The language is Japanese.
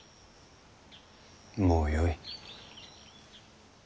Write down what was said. もうよい。